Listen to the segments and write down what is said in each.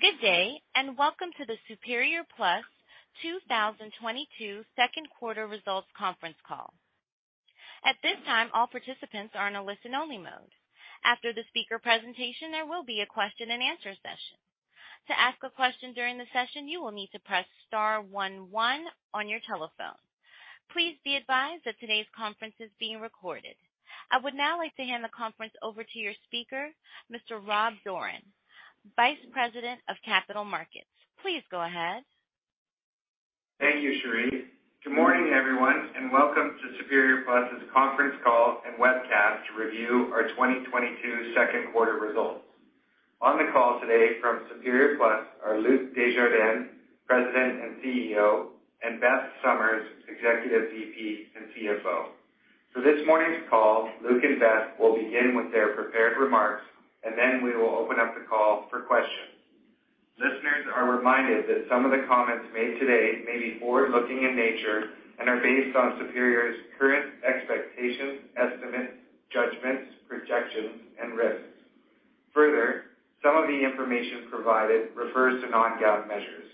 Good day, and welcome to the Superior Plus 2022 second quarter results conference call. At this time, all participants are in a listen-only mode. After the speaker presentation, there will be a question-and-answer session. To ask a question during the session, you will need to press star one one on your telephone. Please be advised that today's conference is being recorded. I would now like to hand the conference over to your speaker, Mr. Rob Dorran, Vice President of Capital Markets. Please go ahead. Thank you, Cherie. Good morning, everyone, and welcome to Superior Plus's conference call and webcast to review our 2022 second quarter results. On the call today from Superior Plus are Luc Desjardins, President and CEO, and Beth Summers, Executive VP and CFO. For this morning's call, Luc and Beth will begin with their prepared remarks, and then we will open up the call for questions. Listeners are reminded that some of the comments made today may be forward-looking in nature and are based on Superior's current expectations, estimates, judgments, projections and risks. Further, some of the information provided refers to non-GAAP measures.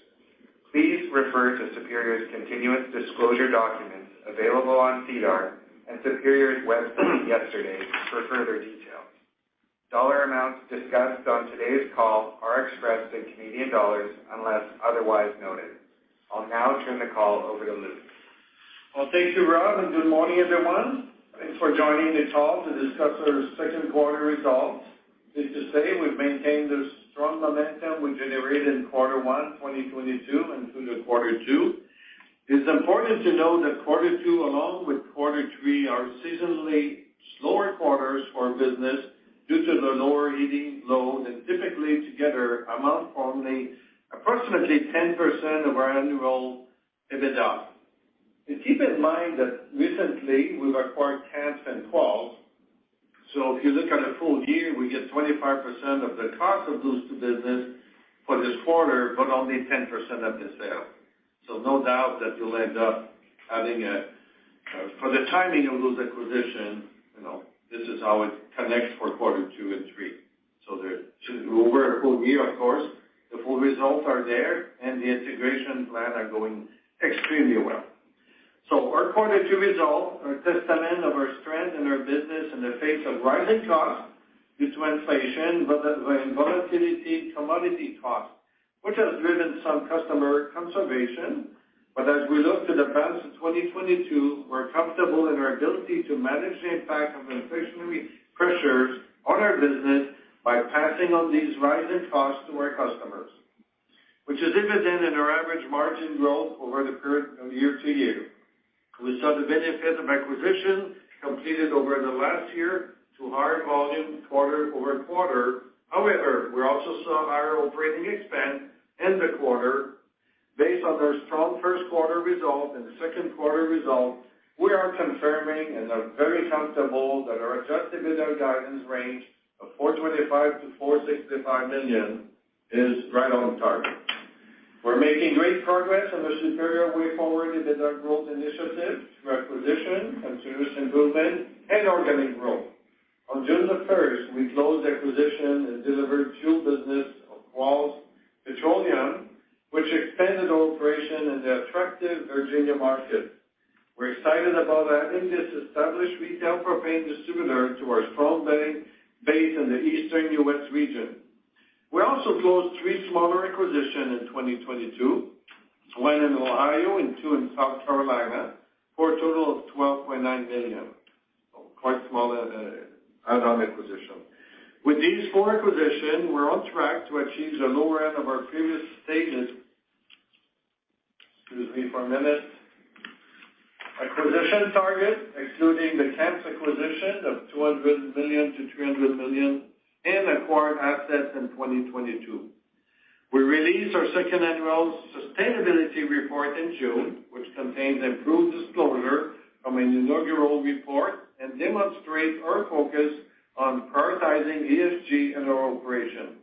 Please refer to Superior's continuous disclosure documents available on SEDAR and Superior's website yesterday for further details. Dollar amounts discussed on today's call are expressed in Canadian dollars unless otherwise noted. I'll now turn the call over to Luc. Well, thank you, Rob, and good morning, everyone. Thanks for joining the call to discuss our second quarter results. Safe to say we've maintained the strong momentum we generated in quarter one 2022 into quarter two. It's important to note that quarter two, along with quarter three, are seasonally slower quarters for business due to the lower heating load and typically together amount only approximately 10% of our annual EBITDA. Keep in mind that recently we've acquired Kamps and Quarles. If you look at a full year, we get 25% of the cost of those two businesses for this quarter, but only 10% of the sales. No doubt that you'll end up having for the timing of those acquisitions, you know, this is how it connects for quarter two and three. We're a full year, of course. The full results are there, and the integration plan are going extremely well. Our quarter two results are a testament of our strength and our business in the face of rising costs due to inflation, but the volatility in commodity costs, which has driven some customer conservation. As we look to the balance of 2022, we're comfortable in our ability to manage the impact of inflationary pressures on our business by passing on these rising costs to our customers, which is evident in our average margin growth over the period of year to year. We saw the benefit of acquisition completed over the last year to higher volume quarter-over-quarter. However, we also saw higher operating expense in the quarter. Based on their strong first quarter results and second quarter results, we are confirming and are very comfortable that our adjusted EBITDA guidance range of 425 million-465 million is right on target. We're making great progress on the Superior Way Forward EBITDA growth initiative through acquisition, continuous improvement and organic growth. On June 1, we closed the acquisition and delivered fuels business of Quarles Petroleum, which expanded operations in the attractive Virginia market. We're excited about adding this established retail propane distributor to our strong base in the Eastern U.S. region. We also closed three smaller acquisitions in 2022, one in Ohio and two in South Carolina, for a total of 12.9 million. So quite small, add-on acquisition. With these four acquisitions, we're on track to achieve the lower end of our previous stated. Excuse me for a minute. Acquisition target, excluding the Kamps acquisition of $200 million-$300 million in acquired assets in 2022. We released our second annual sustainability report in June, which contains improved disclosure from an inaugural report and demonstrates our focus on prioritizing ESG in our operation.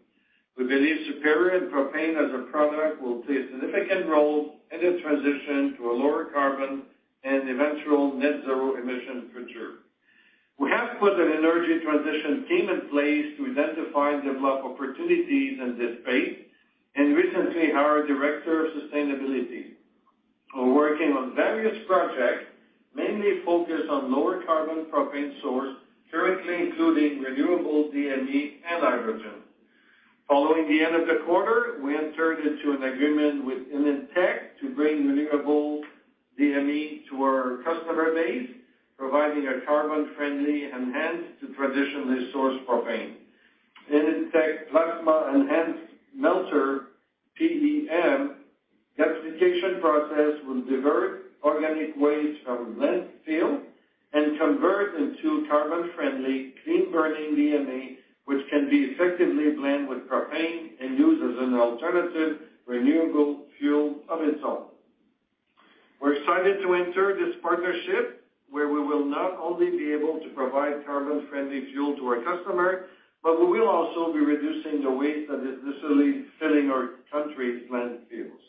We believe Superior and propane as a product will play a significant role in the transition to a lower carbon and eventual net zero emission future. We have put an energy transition team in place to identify and develop opportunities in this space and recently hired a director of sustainability. We're working on various projects, mainly focused on lower carbon propane source, currently including renewable DME and hydrogen. Following the end of the quarter, we entered into an agreement with InEnTec to bring renewable DME to our customer base, providing a carbon-friendly enhancement to traditionally sourced propane. InEnTec Plasma Enhanced Melter, PEM, gasification process will divert organic waste from landfill and convert into carbon friendly, clean burning DME, which can be effectively blended with propane and used as an alternative renewable fuel of its own. We're excited to enter this partnership where we will not only be able to provide carbon friendly fuel to our customer, but we will also be reducing the waste that is literally filling our country's landfills.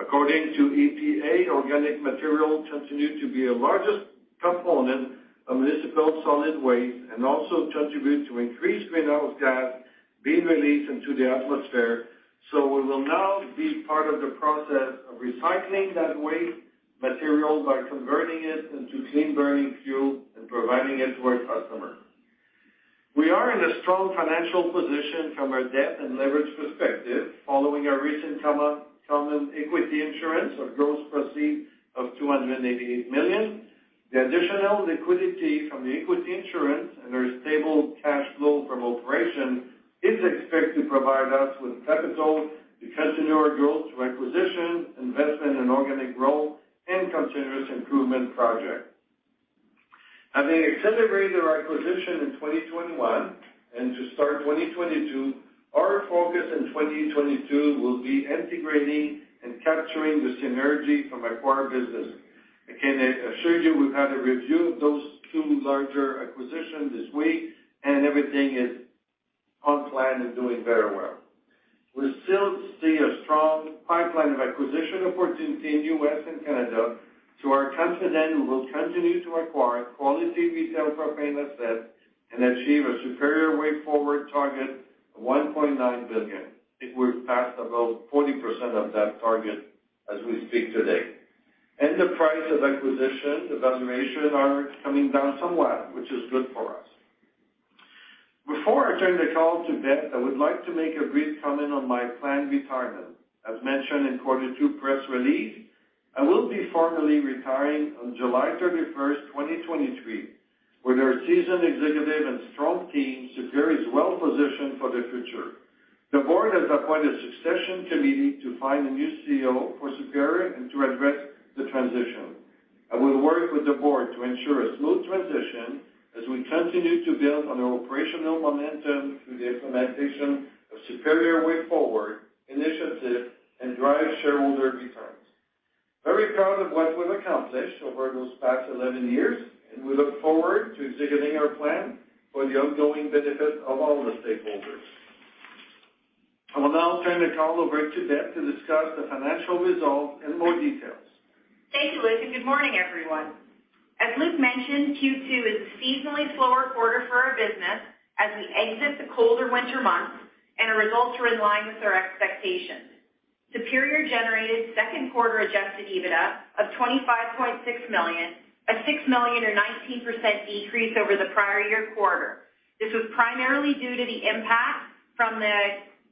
According to EPA, organic material continue to be the largest component of municipal solid waste and also contribute to increased greenhouse gas being released into the atmosphere. We will now be part of the process of recycling that waste material by converting it into clean burning fuel and providing it to our customers. We are in a strong financial position from a debt and leverage perspective following our recent common equity issuance or gross proceeds of 288 million. The additional liquidity from the equity issuance and our stable cash flow from operations is expected to provide us with capital to continue our growth through acquisitions, investment in organic growth and continuous improvement projects. Having accelerated our acquisitions in 2021 and to start 2022, our focus in 2022 will be integrating and capturing the synergy from acquired businesses. I assure you we've had a review of those two larger acquisitions this week and everything is on plan and doing very well. We still see a strong pipeline of acquisition opportunity in U.S. and Canada, so we are confident we will continue to acquire quality retail propane assets and achieve a Superior Way Forward target of 1.9 billion. I think we're past about 40% of that target as we speak today. The price of acquisition, the valuation are coming down somewhat, which is good for us. Before I turn the call to Deb, I would like to make a brief comment on my planned retirement. As mentioned in quarter two press release, I will be formally retiring on July 31st, 2023. With our seasoned executive and strong team, Superior is well positioned for the future. The board has appointed a succession committee to find a new CEO for Superior and to address the transition. I will work with the board to ensure a smooth transition as we continue to build on our operational momentum through the implementation of the Superior Way Forward initiative and drive shareholder returns. Very proud of what we've accomplished over those past 11 years, and we look forward to executing our plan for the ongoing benefit of all the stakeholders. I will now turn the call over to Beth to discuss the financial results in more details. Thank you, Luc, and good morning, everyone. As Luc mentioned, Q2 is a seasonally slower quarter for our business as we exit the colder winter months, and our results are in line with our expectations. Superior generated second quarter adjusted EBITDA of $25.6 million, a $6 million or 19% decrease over the prior year quarter. This was primarily due to the impact from the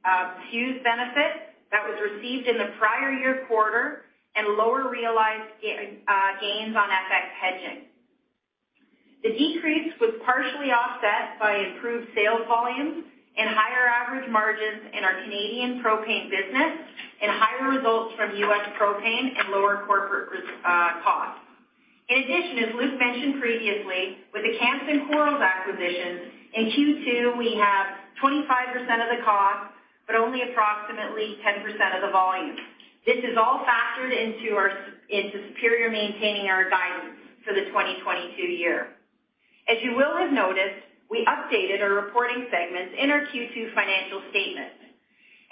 CEWS benefit that was received in the prior year quarter and lower realized gains on FX hedging. The decrease was partially offset by improved sales volumes and higher average margins in our Canadian propane business and higher results from US propane and lower corporate costs. In addition, as Luc mentioned previously, with the Kamps and Quarles acquisitions, in Q2 we have 25% of the cost, but only approximately 10% of the volume. This is all factored into Superior maintaining our guidance for the 2022 year. As you will have noticed, we updated our reporting segments in our Q2 financial statement,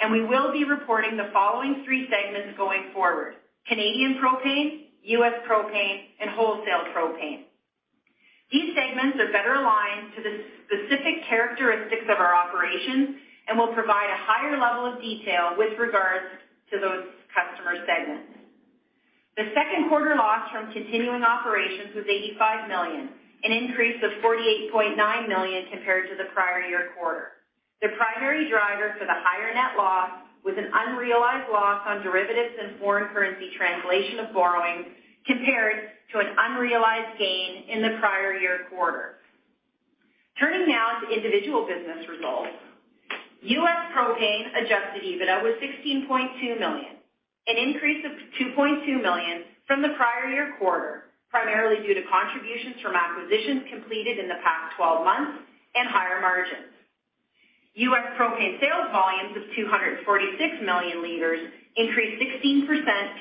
and we will be reporting the following three segments going forward: Canadian propane, U.S. propane, and wholesale propane. These segments are better aligned to the specific characteristics of our operations and will provide a higher level of detail with regards to those customer segments. The second quarter loss from continuing operations was 85 million, an increase of 48.9 million compared to the prior year quarter. The primary driver for the higher net loss was an unrealized loss on derivatives and foreign currency translation of borrowings, compared to an unrealized gain in the prior year quarter. Turning now to individual business results. U.S. propane adjusted EBITDA was 16.2 million, an increase of 2.2 million from the prior year quarter, primarily due to contributions from acquisitions completed in the past 12 months and higher margins. US propane sales volumes of 246 million liters increased 16%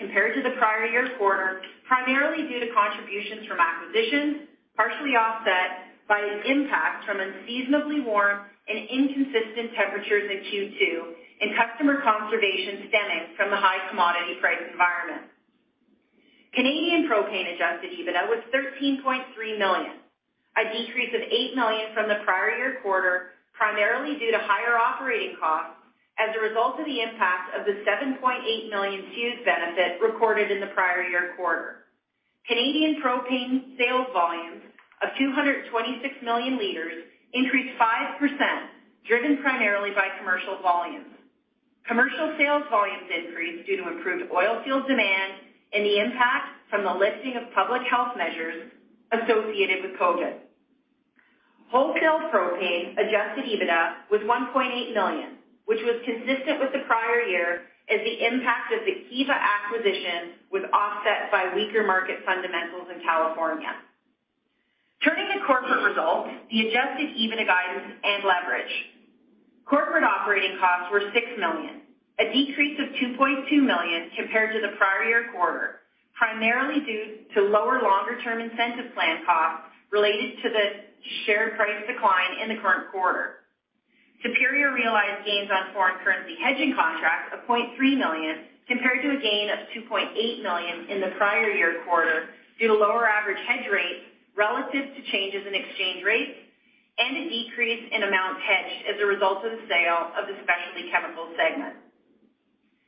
compared to the prior year's quarter, primarily due to contributions from acquisitions, partially offset by an impact from unseasonably warm and inconsistent temperatures in Q2 and customer conservation stemming from the high commodity price environment. Canadian propane adjusted EBITDA was 13.3 million, a decrease of 8 million from the prior year quarter, primarily due to higher operating costs as a result of the impact of the 7.8 million CEWS benefit recorded in the prior year quarter. Canadian propane sales volumes of 226 million liters increased 5%, driven primarily by commercial volumes. Commercial sales volumes increased due to improved oil field demand and the impact from the lifting of public health measures associated with COVID. Wholesale propane adjusted EBITDA was 1.8 million, which was consistent with the prior year as the impact of the Kiva acquisition was offset by weaker market fundamentals in California. Turning to corporate results, the adjusted EBITDA guidance and leverage. Corporate operating costs were 6 million, a decrease of 2.2 million compared to the prior year quarter, primarily due to lower longer-term incentive plan costs related to the share price decline in the current quarter. Superior realized gains on foreign currency hedging contracts of 0.3 million, compared to a gain of 2.8 million in the prior year quarter, due to lower average hedge rates relative to changes in exchange rates and a decrease in amount hedged as a result of the sale of the specialty chemical segment.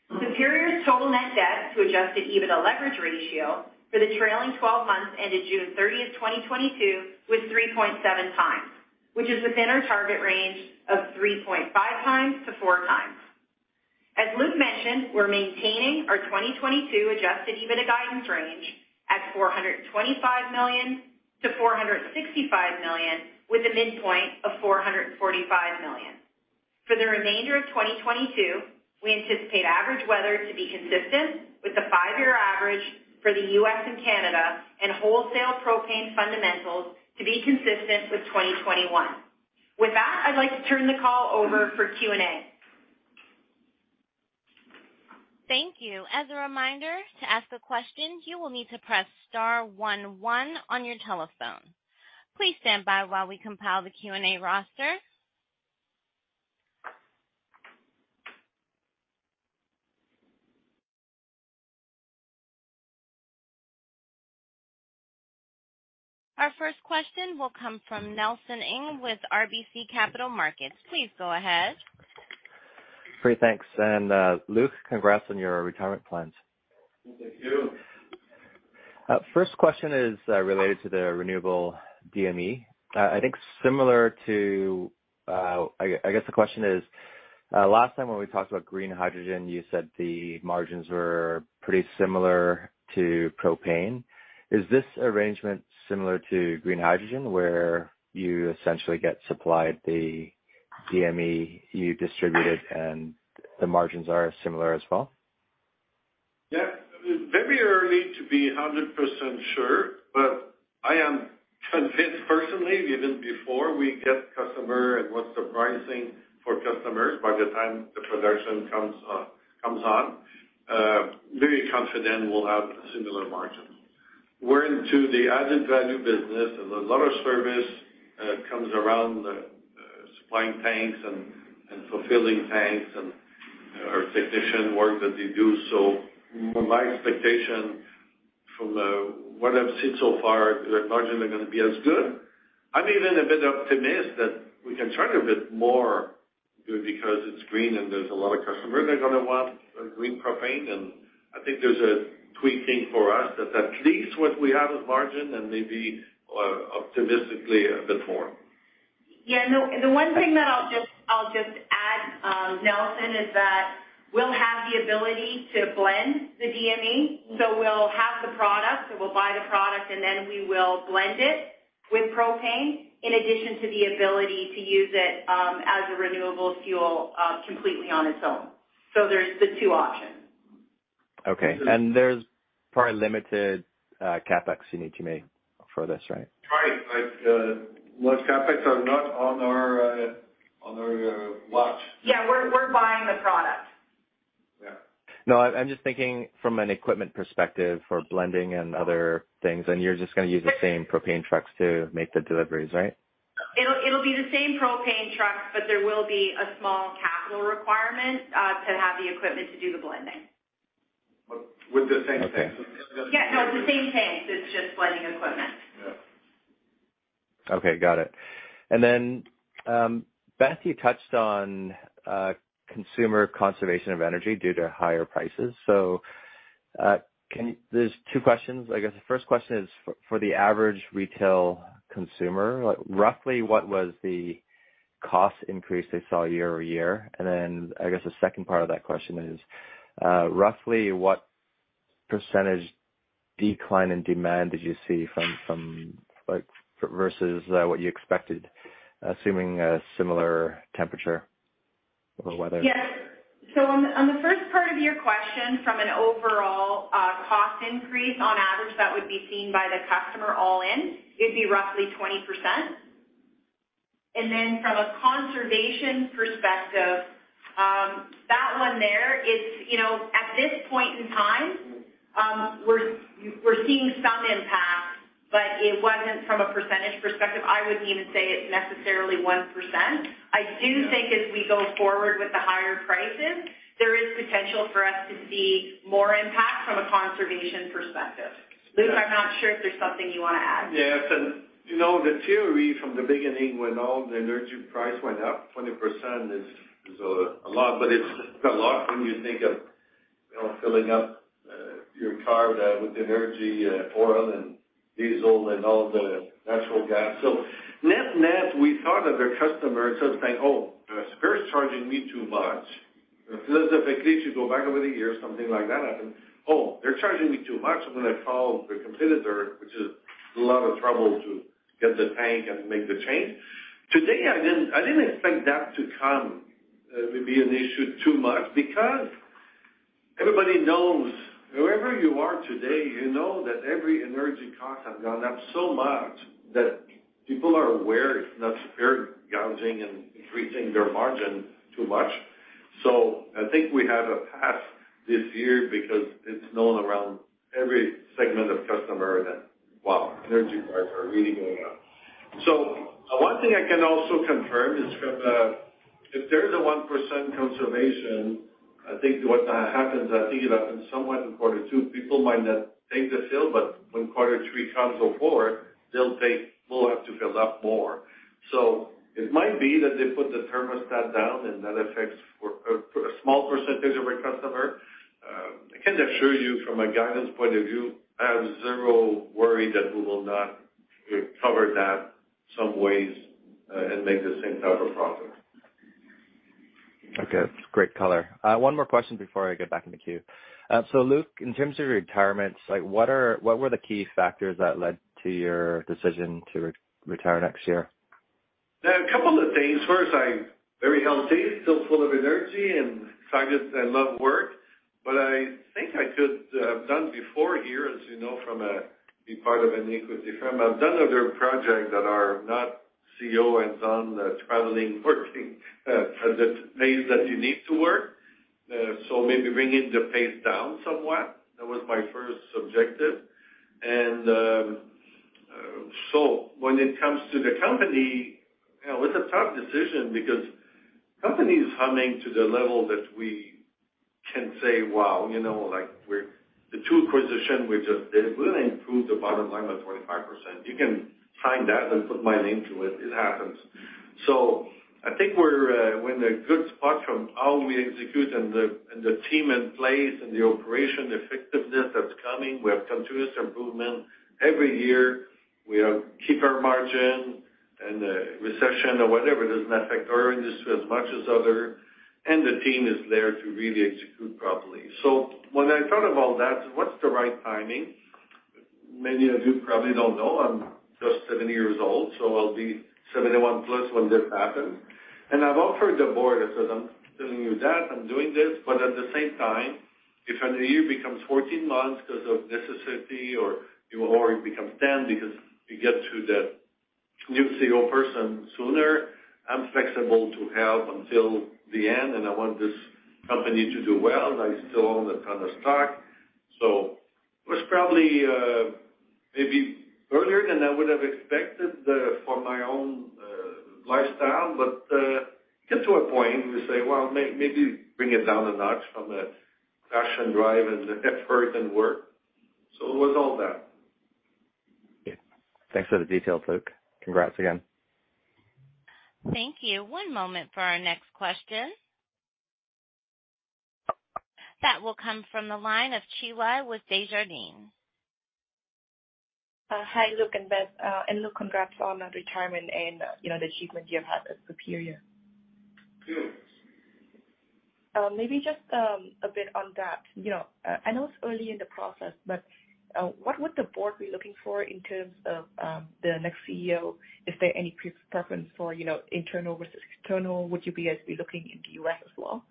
Superior's total net debt to adjusted EBITDA leverage ratio for the trailing 12 months ended June 30, 2022 was 3.7x, which is within our target range of 3.5x-4x. As Luc mentioned, we're maintaining our 2022 adjusted EBITDA guidance range at 425 million-465 million, with a midpoint of 445 million. For the remainder of 2022, we anticipate average weather to be consistent with the five-year average for the U.S. and Canada, and wholesale propane fundamentals to be consistent with 2021. With that, I'd like to turn the call over for Q&A. Thank you. As a reminder, to ask a question, you will need to press star one one on your telephone. Please stand by while we compile the Q&A roster. Our first question will come from Nelson Ng with RBC Capital Markets. Please go ahead. Great. Thanks. Luc, congrats on your retirement plans. Thank you. First question is related to the renewable DME. I think similar to. I guess the question is last time when we talked about green hydrogen, you said the margins were pretty similar to propane. Is this arrangement similar to green hydrogen, where you essentially get supplied the DME, you distribute it, and the margins are similar as well? Yeah. Very early to be 100% sure, but I am convinced personally, even before we get customers and what's the pricing for customers by the time the production comes on, very confident we'll have similar margins. We're into the added value business, and a lot of service revolves around the supplying tanks and fulfilling tanks and our technician work that they do. My expectation from what I've seen so far, the margins are gonna be as good. I'm even a bit optimistic that we can charge a bit more because it's green and there's a lot of customers are gonna want green propane. I think there's a premium for us that at least what we have as margin and maybe optimistically a bit more. Yeah. No, the one thing that I'll just add, Nelson, is that we'll have the ability to blend the DME. We'll have the product. We'll buy the product, and then we will blend it with propane in addition to the ability to use it as a renewable fuel completely on its own. There's the two options. Okay. There's probably limited CapEx you need to make for this, right? Right. Large CapEx are not on our watch. Yeah. We're buying the product. Yeah. No. I'm just thinking from an equipment perspective for blending and other things, and you're just gonna use the same propane trucks to make the deliveries, right? It'll be the same propane trucks, but there will be a small capital requirement to have the equipment to do the blending. With the same tanks. Okay. Yeah. No, it's the same tanks. It's just blending equipment. Yeah. Okay. Got it. Then, Beth, you touched on consumer conservation of energy due to higher prices. There's two questions, I guess. The first question is, for the average retail consumer, like, roughly what was the cost increase they saw year-over-year? I guess the second part of that question is, roughly what percentage decline in demand did you see from, like, versus, what you expected, assuming a similar temperature or weather? Yes. On the first part of your question, from an overall cost increase on average that would be seen by the customer all in, it'd be roughly 20%. From a conservation perspective, that one there, it's you know at this point in time, we're seeing some impact, but it wasn't from a percentage perspective. I wouldn't even say it's necessarily 1%. I do think as we go forward with the higher prices, there is potential for us to see more impact from a conservation perspective. Luc, I'm not sure if there's something you wanna add. Yes. You know, the theory from the beginning when all the energy price went up 20% is a lot, but it's a lot when you think of, you know, filling up your car with energy, oil and diesel and all the natural gas. Net, we thought that their customer is just saying, "Oh, Superior's charging me too much." If a case should go back over the years, something like that happen, "Oh, they're charging me too much. I'm gonna call the competitor," which is a lot of trouble to get the tank and make the change. Today, I didn't expect that to come up would be an issue too much because everybody knows wherever you are today, you know that every energy cost has gone up so much that people are aware if not Superior gouging and increasing their margins too much. I think we have a path this year because it's known around every segment of customer that, wow, energy prices are really going up. One thing I can also confirm is from a. If there's a 1% conservation, I think it happens somewhat in quarter two, people might not take the fill, but when quarter three comes or four, they'll take. We'll have to fill up more. It might be that they put the thermostat down, and that affects for a small percentage of our customer. I can assure you from a guidance point of view, I have zero worry that we will not recover that somehow and make the same type of profit. Okay. Great color. One more question before I get back in the queue. So Luc, in terms of retirements, like what were the key factors that led to your decision to re-retire next year? A couple of things. First, I'm very healthy, still full of energy, and second, I love work. I think I could have done before here, as you know, from being part of an equity firm. I've done other projects that are not CEO and son traveling, working for the days that you need to work. Maybe bringing the pace down somewhat. That was my first objective. When it comes to the company, you know, it's a tough decision because company is humming to the level that we can say, wow, you know, like we're. The two acquisitions we just did will improve the bottom line by 25%. You can sign that and put my name to it. It happens. I think we're in a good spot from how we execute and the team in place and the operation effectiveness that's coming. We have continuous improvement every year. We keep our margin in a recession or whatever. It doesn't affect our industry as much as other. The team is there to really execute properly. When I thought of all that, what's the right timing? Many of you probably don't know I'm just 70 years old, so I'll be 71+ when this happens. I've offered the board. I said, "I'm telling you that I'm doing this, but at the same time, if a year becomes 14 months because of necessity or you already become 10 because you get to the new CEO person sooner, I'm flexible to help until the end, and I want this company to do well. I still own a ton of stock." It was probably, maybe earlier than I would have expected, for my own, lifestyle. But, you get to a point and you say, "Well, maybe bring it down a notch from the passion drive and effort and work." It was all that. Yeah. Thanks for the details, Luc. Congrats again. Thank you. One moment for our next question. That will come from the line of Gary Ho with Desjardins. Hi, Luc and Beth. Luc, congrats on retirement and, you know, the achievement you have had at Superior. Thanks. Maybe just a bit on that. You know, I know it's early in the process, but what would the board be looking for in terms of the next CEO? Is there any preference for, you know, internal versus external? Would you guys be looking in the U.S. as well?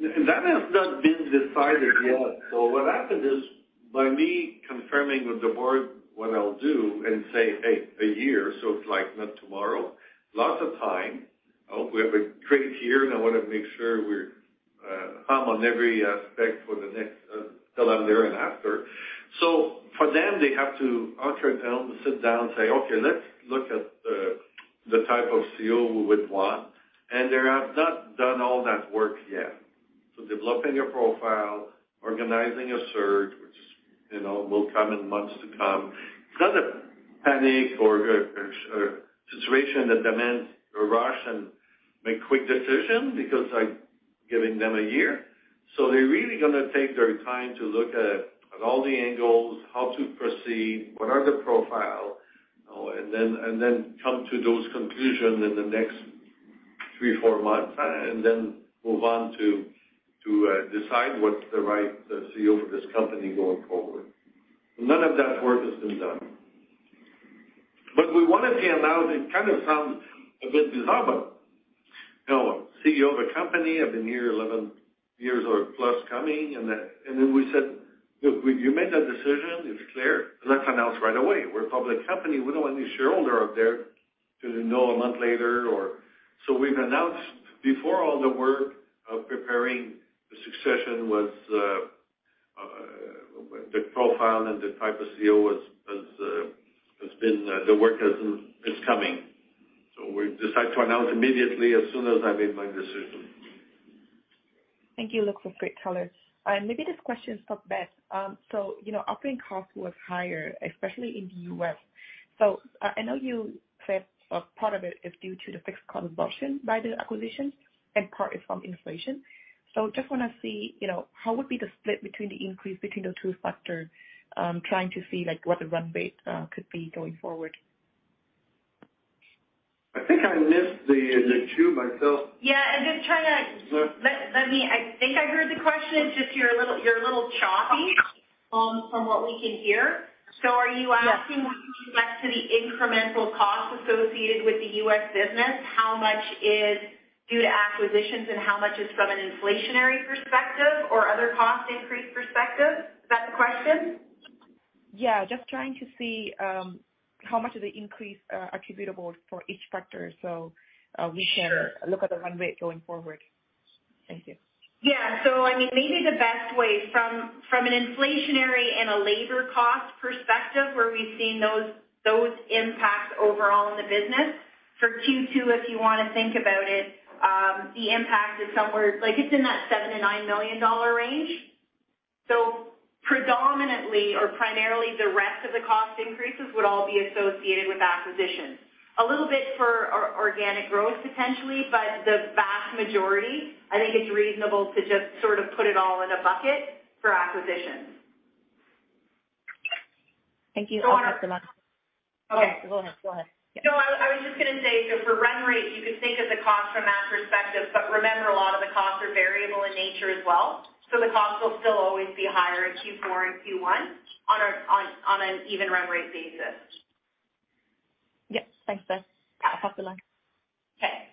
That has not been decided yet. What happened is by me confirming with the board what I'll do and say, "Hey, a year," so it's like not tomorrow, lots of time. I hope we have a great year, and I wanna make sure we're humming on every aspect for the next, till I'm there and after. For them, they have to sit down and say, "Okay, let's look at the type of CEO we would want." They have not done all that work yet. Developing a profile, organizing a search, which, you know, will come in months to come. It's not a panic or a situation that demands a rush and make quick decision because I'm giving them a year. They're really gonna take their time to look at all the angles, how to proceed, what's the profile, you know, and then come to those conclusions in the next three or four months, and then move on to decide what's the right CEO for this company going forward. None of that work has been done. But we wanted it announced. It kind of sounds a bit bizarre, but, you know, CEO of a company for nearly 11 years or plus, and then we said, "Look, you made that decision. It's clear. Let's announce right away." We're a public company. We don't want any shareholder out there to know a month later. We've announced before all the work of preparing the succession, the profile and the type of CEO has been. The work is coming. We've decided to announce immediately as soon as I made my decision. Thank you, Luc, for great color. Maybe this question is for Beth. You know, operating cost was higher, especially in the U.S. I know you said a part of it is due to the fixed cost absorption by the acquisition and part is from inflation. Just wanna see, you know, how would be the split between the increase between the two factor, trying to see, like, what the run rate could be going forward. I think I missed the two myself. Yeah. I'm just trying to. Yeah. Let me. I think I heard the question. It's just you're a little choppy from what we can hear. Are you asking? Yes. With respect to the incremental cost associated with the U.S. business, how much is due to acquisitions and how much is from an inflationary perspective or other cost increase perspective? Is that the question? Yeah, just trying to see, how much of the increase, attributable to each factor. Sure. We can look at the run rate going forward. Thank you. Yeah. I mean, maybe the best way from an inflationary and a labor cost perspective where we've seen those impacts overall in the business for Q2, if you wanna think about it, the impact is somewhere. Like, it's in that $7 million-$9 million range. Predominantly or primarily, the rest of the cost increases would all be associated with acquisitions. A little bit for organic growth potentially, but the vast majority, I think it's reasonable to just sort of put it all in a bucket for acquisitions. Thank you. Go on. Okay. Go ahead. Yeah. No, I was just gonna say, so for run rate, you could think of the cost from that perspective, but remember a lot of the costs are variable in nature as well. The cost will still always be higher in Q4 and Q1 on an even run rate basis. Yep. Thanks, Beth. I'll hop off the line. Okay.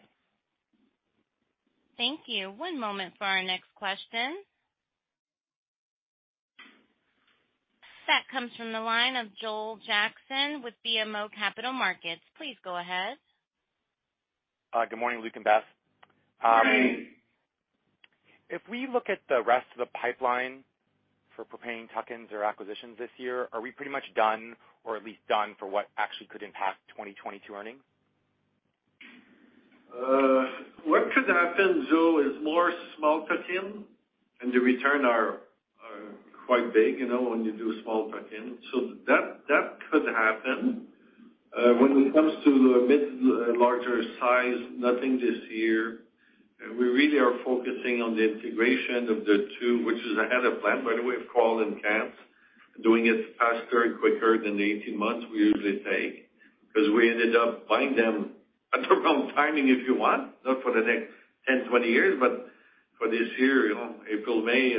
Thank you. One moment for our next question. That comes from the line of Joel Jackson with BMO Capital Markets. Please go ahead. Good morning, Luc and Beth. Good morning. If we look at the rest of the pipeline for propane tuck-ins or acquisitions this year, are we pretty much done or at least done for what actually could impact 2022 earnings? What could happen, Joel, is more small tuck-in and the returns are quite big, you know, when you do small tuck-in. That could happen. When it comes to a bit larger size, nothing this year. We really are focusing on the integration of the two, which is ahead of plan, by the way, of Quarles and Kamps, doing it faster and quicker than the 18 months we usually take. 'Cause we ended up buying them at the wrong timing, if you want, not for the next 10, 20 years, but for this year, you know, April, May,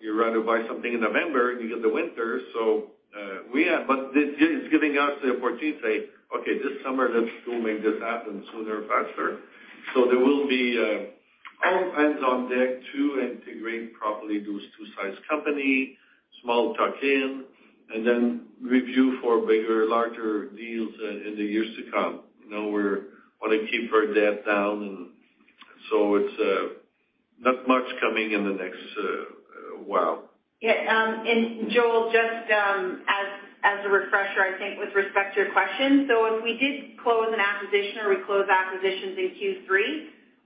you'd rather buy something in November and you get the winter. So, we have... This is giving us the opportunity to say, "Okay, this summer, let's go make this happen sooner and faster." There will be all hands on deck to integrate properly those two size company, small tuck-in, and then review for bigger, larger deals in the years to come. You know, we want to keep our debt down, and so it's not much coming in the next while. Yeah, Joel, just as a refresher, I think with respect to your question, so if we did close an acquisition or we close acquisitions in Q3,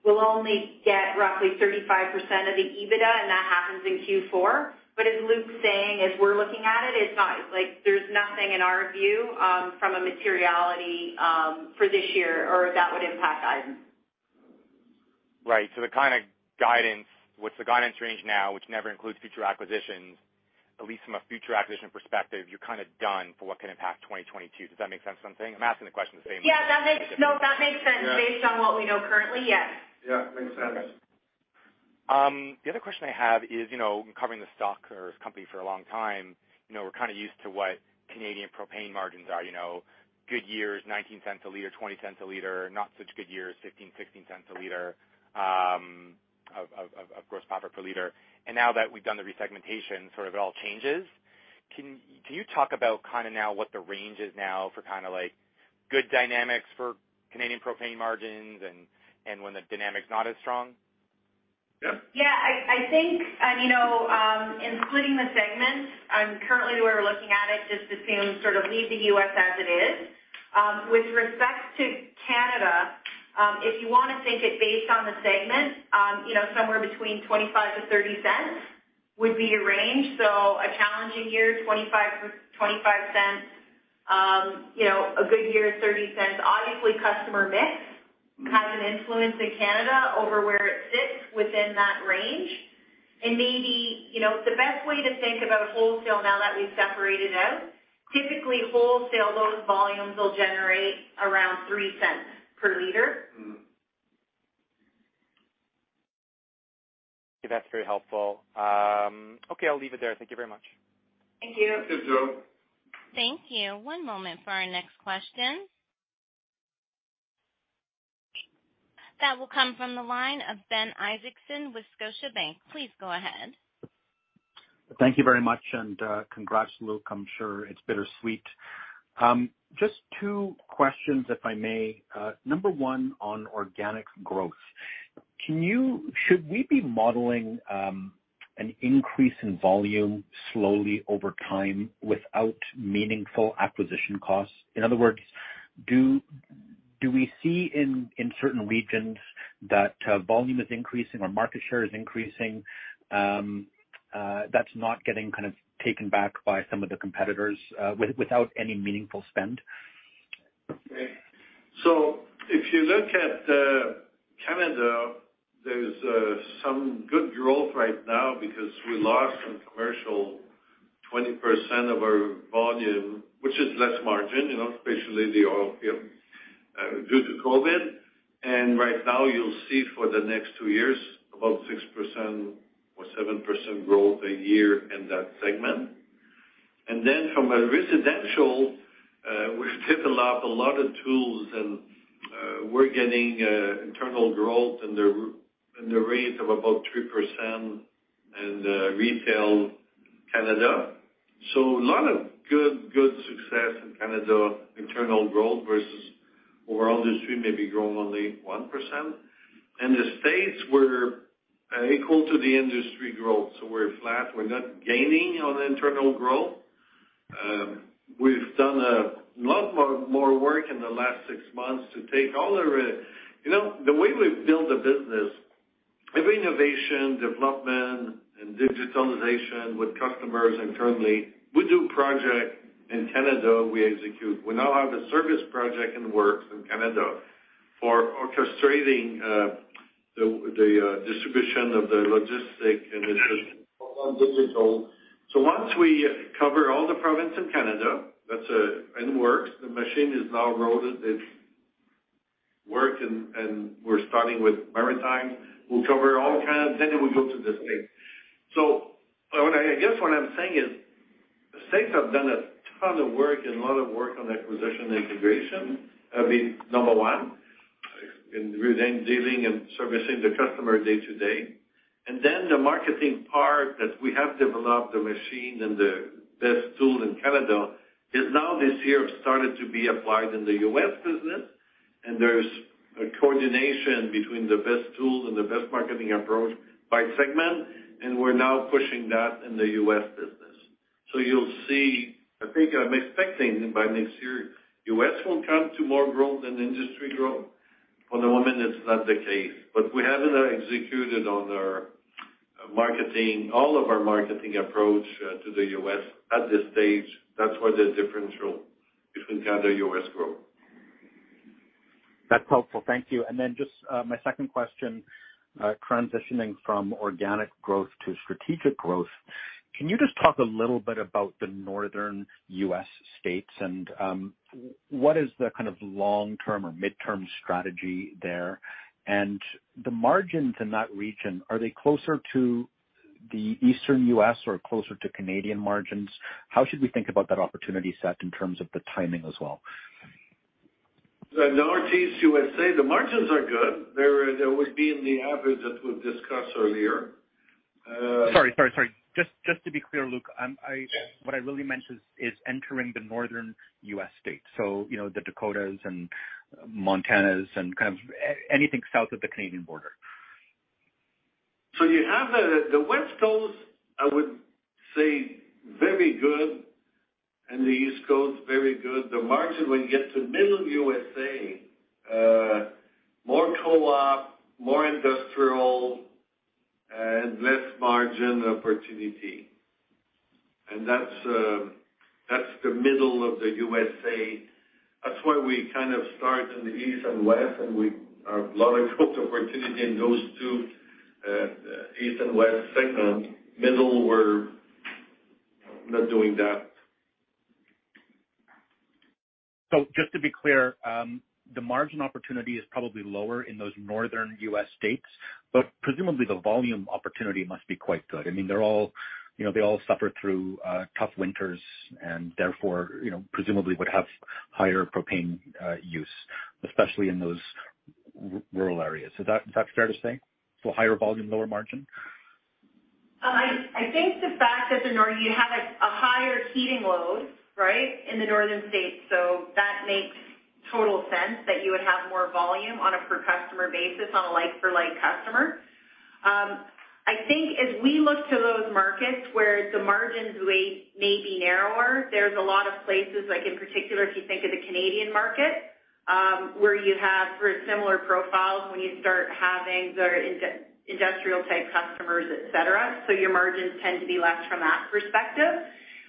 we'll only get roughly 35% of the EBITDA, and that happens in Q4. As Luc's saying, as we're looking at it's not like there's nothing in our view from a materiality for this year or that would impact items. Right. The kinda guidance, what's the guidance range now, which never includes future acquisitions, at least from a future acquisition perspective, you're kinda done for what can impact 2022. Does that make sense, what I'm saying? I'm asking the question. That makes sense. Yeah. Based on what we know currently, yes. Yeah. Makes sense. Okay. The other question I have is, you know, covering the stock or company for a long time, you know, we're kinda used to what Canadian propane margins are, you know. Good years, 0.19 per liter, 0.20 per liter. Not such good years, 0.15, 0.16 per liter, of course, profit per liter. Now that we've done the resegmentation, sort of it all changes. Can you talk about kinda now what the range is now for kinda, like, good dynamics for Canadian propane margins and when the dynamic's not as strong? Yeah. Yeah. I think, you know, including the segment, currently the way we're looking at it just assumes sort of leave the U.S. as it is. With respect to Canada, if you wanna think it based on the segment, you know, somewhere between 0.25-0.30 would be the range. A challenging year, 0.25. You know, a good year is CAD 0.30. Obviously, customer mix has an influence in Canada over where it sits within that range. Maybe, you know, the best way to think about wholesale now that we've separated out, typically wholesale, those volumes will generate around 0.03 per liter. Okay, that's very helpful. Okay, I'll leave it there. Thank you very much. Thank you. Thank you, Joel. Thank you. One moment for our next question. That will come from the line of Ben Isaacson with Scotiabank. Please go ahead. Thank you very much, and congrats, Luc. I'm sure it's bittersweet. Just two questions, if I may. Number one on organic growth. Should we be modeling an increase in volume slowly over time without meaningful acquisition costs? In other words, do we see in certain regions that volume is increasing or market share is increasing, that's not getting kind of taken back by some of the competitors, without any meaningful spend? Okay. If you look at Canada, there's some good growth right now because we lost some commercial, 20% of our volume, which is less margin, you know, especially the oil field due to COVID. Right now you'll see for the next two years about 6% or 7% growth a year in that segment. From a residential, we've developed a lot of tools and we're getting internal growth in the range of about 3% in retail Canada. A lot of good success in Canada. Internal growth versus overall industry may be growing only 1%. In the States, we're equal to the industry growth, so we're flat. We're not gaining on internal growth. We've done a lot more work in the last 6 months to take all of the. You know, the way we've built the business of innovation, development, and digitalization with customers internally, we do projects in Canada, we execute. We now have a service project in the works in Canada for orchestrating the distribution of the logistics and the digital system. Once we cover all the provinces in Canada, that's in the works. The machine is now rolling. It's work and we're starting with Maritimes. We'll cover all Canada then we'll go to the States. I want to, I guess what I'm saying is, the States have done a ton of work and a lot of work on acquisition integration number one, in dealing and servicing the customer day to day. Then the marketing part that we have developed, the machine and the best tool in Canada is now this year have started to be applied in the U.S. business. There's a coordination between the best tools and the best marketing approach by segment, and we're now pushing that in the U.S. business. You'll see. I think I'm expecting that by next year, U.S. will come to more growth than industry growth. For the moment, it's not the case, but we haven't executed on our marketing, all of our marketing approach to the U.S. at this stage. That's why there's differential between Canada, U.S. growth. That's helpful. Thank you. Just, my second question, transitioning from organic growth to strategic growth. Can you just talk a little bit about the Northern U.S. states and, what is the kind of long-term or midterm strategy there? The margins in that region, are they closer to the Eastern U.S. or closer to Canadian margins? How should we think about that opportunity set in terms of the timing as well? The Northeast USA, the margins are good. They're, they would be in the average that we've discussed earlier. Sorry. Just to be clear, Luc. Yes. What I really meant is entering the northern U.S. states. You know, the Dakotas and Montana and kind of anything south of the Canadian border. You have the West Coast, I would say very good, and the East Coast, very good. The margin, when you get to middle USA, more co-op, more industrial, and less margin opportunity. That's the middle of the USA. That's why we kind of start in the east and west, and we are a lot of growth opportunity in those two, east and west segment. Middle, we're not doing that. Just to be clear, the margin opportunity is probably lower in those Northern U.S. states, but presumably the volume opportunity must be quite good. I mean, they're all, you know, they all suffer through tough winters and therefore, you know, presumably would have higher propane use, especially in those rural areas. Is that fair to say? Higher volume, lower margin. I think the fact that in the north you have a higher heating load, right, in the northern states, so that makes total sense that you would have more volume on a per customer basis on a like-for-like customer. I think as we look to those markets where the margins may be narrower, there's a lot of places, like in particular, if you think of the Canadian market, where you have very similar profiles when you start having the industrial type customers, et cetera. Your margins tend to be less from that perspective.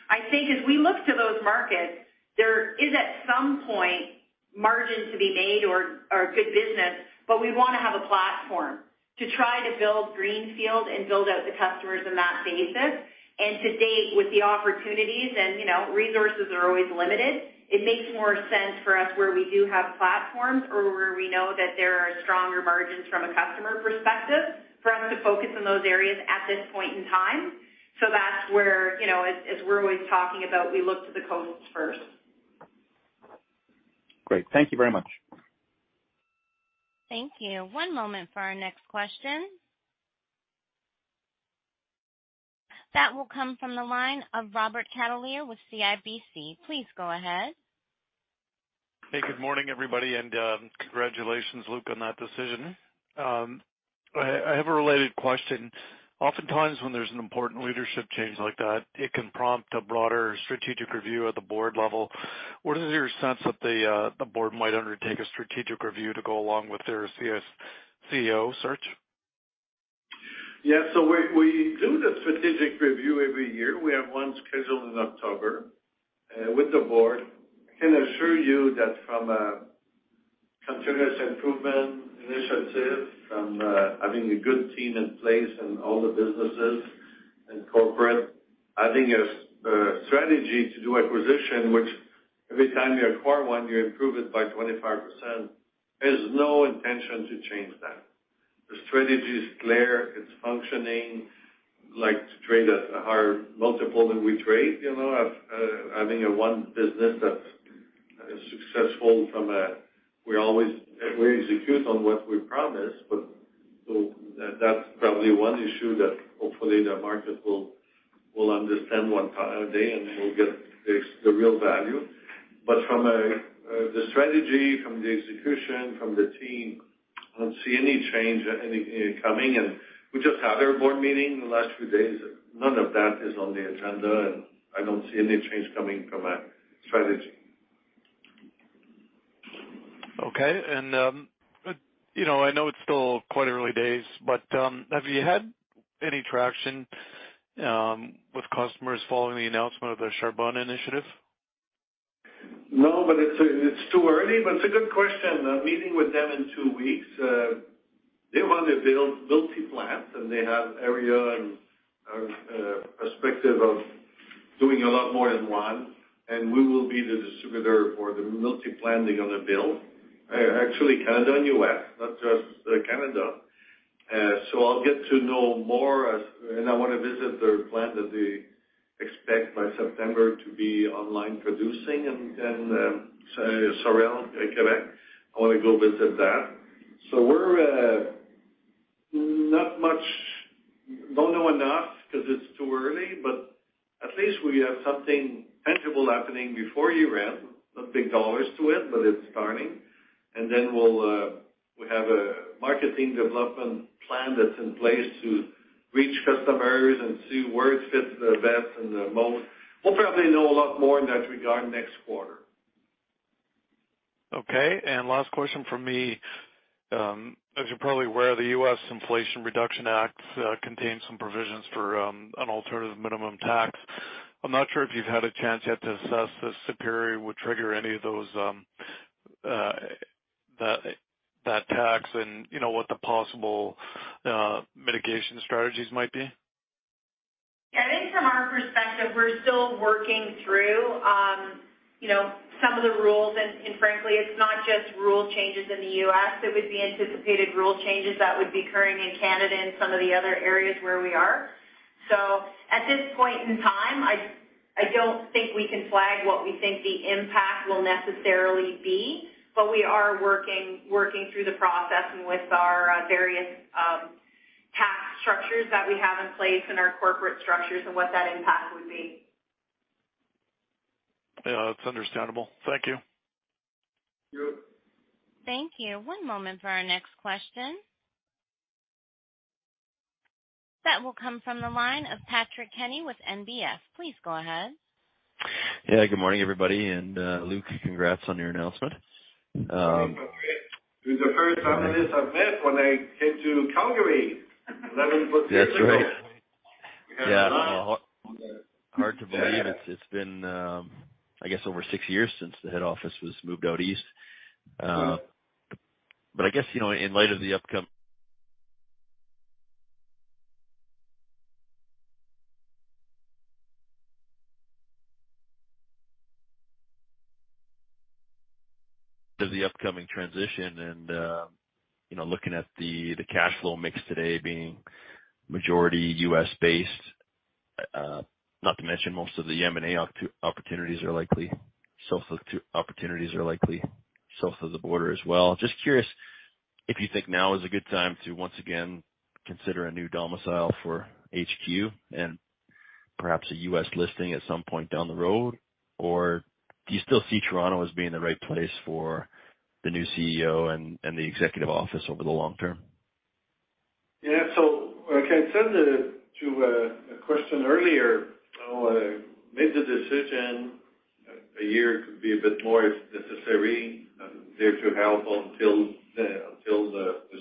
I think as we look to those markets, there is at some point margin to be made or good business, but we wanna have a platform to try to build greenfield and build out the customers in that basis. To date, with the opportunities and, you know, resources are always limited, it makes more sense for us where we do have platforms or where we know that there are stronger margins from a customer perspective for us to focus in those areas at this point in time. That's where, you know, as we're always talking about, we look to the coasts first. Great. Thank you very much. Thank you. One moment for our next question. That will come from the line of Robert Catellier with CIBC. Please go ahead. Hey, good morning, everybody, and congratulations, Luc, on that decision. I have a related question. Oftentimes, when there's an important leadership change like that, it can prompt a broader strategic review at the board level. What is your sense that the board might undertake a strategic review to go along with their CEO search? Yeah. We do the strategic review every year. We have one scheduled in October with the board. I can assure you that from a continuous improvement initiative, from having a good team in place in all the businesses and corporate, adding a strategy to do acquisition, which every time you acquire one, you improve it by 25%, there's no intention to change that. The strategy is clear, it's functioning. Like to trade at a higher multiple than we trade, you know. Having one business that is successful. We execute on what we promise, but that's probably one issue that hopefully the market will understand it one day, and we'll get the real value. From the strategy, from the execution, from the team, I don't see any change coming. We just had our board meeting the last few days. None of that is on the agenda, and I don't see any change coming from a strategy. Okay. You know, I know it's still quite early days, but have you had any traction with customers following the announcement of the Charbone initiative? No, but it's too early, but it's a good question. I'm meeting with them in two weeks. They want to build multiple plants, and they have area and perspective of doing a lot more than one. We will be the distributor for the multiple plant they're gonna build. Actually, Canada and U.S., not just Canada. I'll get to know more as. I wanna visit their plant that they expect by September to be online producing in Sorel, Québec. I wanna go visit that. We don't know enough because it's too early, but at least we have something tangible happening before year-end. No big dollars to it, but it's starting. We'll have a marketing development plan that's in place to reach customers and see where it fits the best and the most. We'll probably know a lot more in that regard next quarter. Okay. Last question from me. As you're probably aware, the U.S. Inflation Reduction Act contains some provisions for an alternative minimum tax. I'm not sure if you've had a chance yet to assess if Superior would trigger any of those, that tax and, you know, what the possible mitigation strategies might be. I think from our perspective, we're still working through, you know, some of the rules. Frankly, it's not just rule changes in the U.S., it would be anticipated rule changes that would be occurring in Canada and some of the other areas where we are. At this point in time, I don't think we can flag what we think the impact will necessarily be, but we are working through the process and with our various tax structures that we have in place and our corporate structures and what that impact would be. Yeah, that's understandable. Thank you. Sure. Thank you. One moment for our next question. That will come from the line of Patrick Kenny with NBF. Please go ahead. Yeah, good morning, everybody. Luc, congrats on your announcement. You're the first analyst I met when I came to Calgary 11+ years ago. That's right. Yeah. Hard to believe it's been, I guess, over six years since the head office was moved out east. But I guess, you know, in light of the upcoming transition and, you know, looking at the cash flow mix today being majority U.S.-based, not to mention most of the M&A opportunities are likely south of the border as well. Just curious if you think now is a good time to once again consider a new domicile for HQ and perhaps a U.S. listing at some point down the road. Do you still see Toronto as being the right place for the new CEO and the executive office over the long term? Yeah. I can send it to a question earlier. I made the decision a year, could be a bit more if necessary. I'm there to help until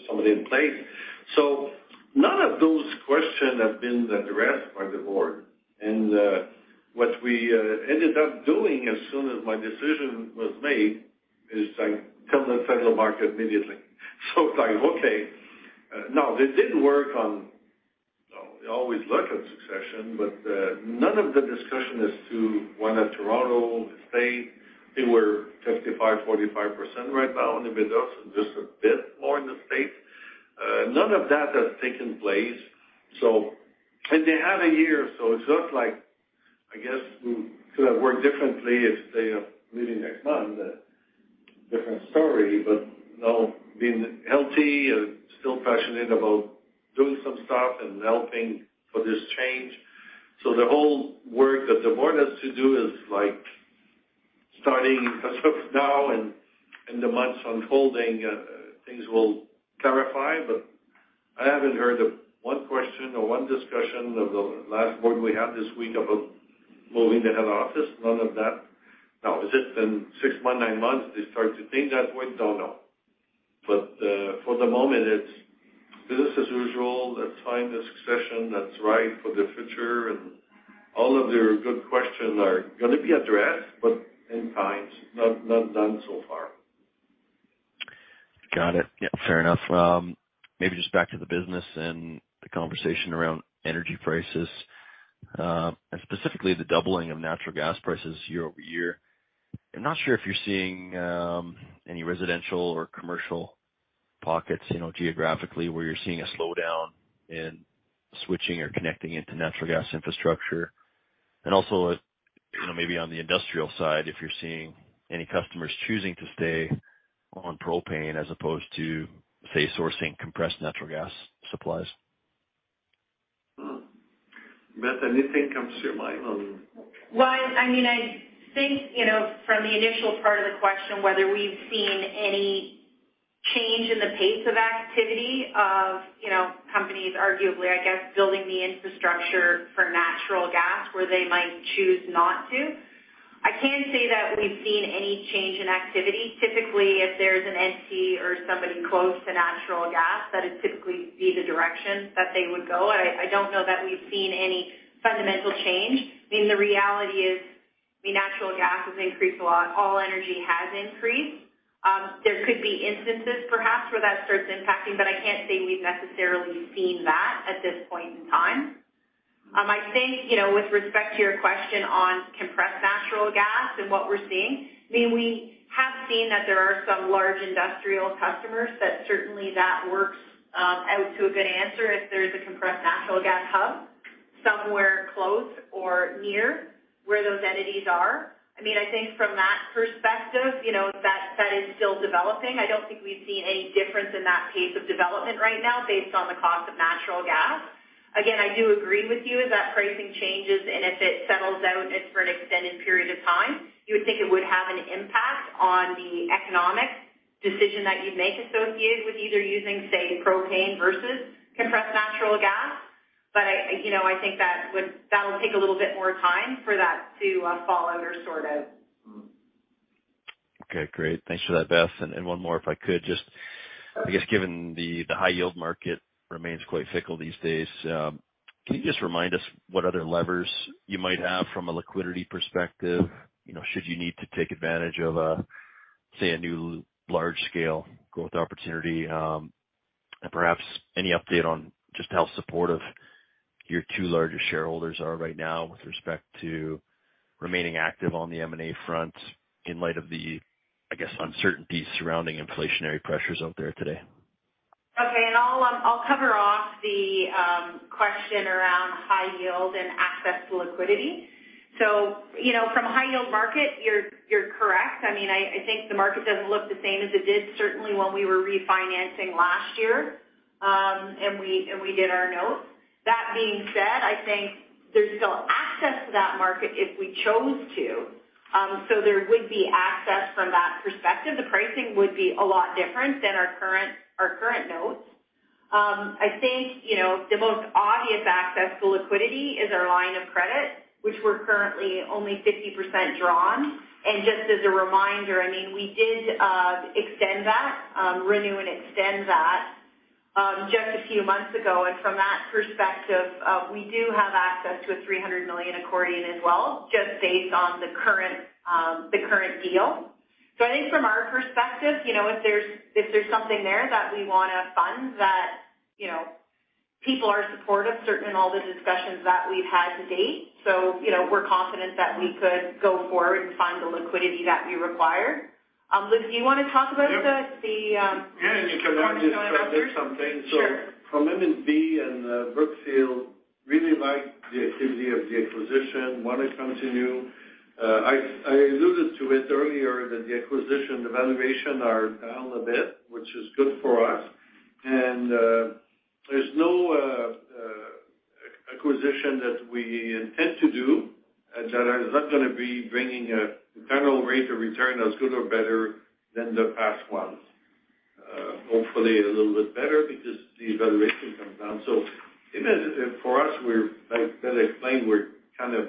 somebody in place. None of those questions have been addressed by the board. What we ended up doing as soon as my decision was made is I told the public market immediately. It's like, okay. Now, they did work on. They always look at succession, but none of the discussion as to whether Toronto, the States, they were 55%-45% right now in the middle, so just a bit more in the States. None of that has taken place. They have a year, so it's not like, I guess, we could have worked differently if I am leaving next month, a different story. No, being healthy and still passionate about doing some stuff and helping for this change. The whole work that the board has to do is, like, starting as of now and in the months unfolding, things will clarify, but I haven't heard of one question or one discussion of the last board we had this week about moving the head office, none of that. Now, if it's been six months, nine months, they start to think that way, don't know. For the moment, it's business as usual. Let's find a succession that's right for the future. All of their good questions are gonna be addressed, but in time. None so far. Got it. Yeah, fair enough. Maybe just back to the business and the conversation around energy prices, and specifically the doubling of natural gas prices year over year. I'm not sure if you're seeing any residential or commercial pockets, you know, geographically where you're seeing a slowdown in switching or connecting into natural gas infrastructure. Also, you know, maybe on the industrial side, if you're seeing any customers choosing to stay on propane as opposed to, say, sourcing compressed natural gas supplies. Beth, anything comes to mind on? Well, I mean, I think, you know, from the initial part of the question, whether we've seen any change in the pace of activity of, you know, companies arguably, I guess, building the infrastructure for natural gas where they might choose not to. I can't say that we've seen any change in activity. Typically, if there's an entity or somebody close to natural gas, that would typically be the direction that they would go. I don't know that we've seen any fundamental change. I mean, the reality is, I mean, natural gas has increased a lot. All energy has increased. There could be instances perhaps where that starts impacting, but I can't say we've necessarily seen that at this point in time. I think, you know, with respect to your question on compressed natural gas and what we're seeing, I mean, we have seen that there are some large industrial customers that certainly that works out to a good answer if there's a compressed natural gas hub somewhere close or near where those entities are. I mean, I think from that perspective, you know, that is still developing. I don't think we've seen any difference in that pace of development right now based on the cost of natural gas. Again, I do agree with you that pricing changes, and if it settles out and it's for an extended period of time, you would think it would have an impact on the economic decision that you'd make associated with either using, say, propane versus compressed natural gas. I, you know, I think that'll take a little bit more time for that to fall under sort of. Okay. Great. Thanks for that, Beth. One more if I could just, I guess, given the high yield market remains quite fickle these days, can you just remind us what other levers you might have from a liquidity perspective, you know, should you need to take advantage of, say, a new large-scale growth opportunity? Perhaps any update on just how supportive your two largest shareholders are right now with respect to remaining active on the M&A front in light of the, I guess, uncertainty surrounding inflationary pressures out there today? Okay. I'll cover off the question around high yield and access to liquidity. You know, from a high yield market, you're correct. I mean, I think the market doesn't look the same as it did certainly when we were refinancing last year, and we did our notes. That being said, I think there's still access to that market if we chose to. There would be access from that perspective. The pricing would be a lot different than our current notes. I think, you know, the most obvious access to liquidity is our line of credit, which we're currently only 50% drawn. Just as a reminder, I mean, we did renew and extend that just a few months ago. From that perspective, we do have access to a 300 million accordion as well, just based on the current deal. I think from our perspective, you know, if there's something there that we wanna fund that, you know, people are supportive, certainly in all the discussions that we've had to date. You know, we're confident that we could go forward and find the liquidity that we require. Luc, do you wanna talk about the. Yeah. Can I just add something? Sure. From M&A and Brookfield really like the activity of the acquisition, wanna continue. I alluded to it earlier that the acquisition, the valuation are down a bit, which is good for us. There's no acquisition that we intend to do is not gonna be bringing an internal rate of return that's good or better than the past ones. Hopefully a little bit better because the valuation comes down. In it, for us, we're, like Beth explained, kind of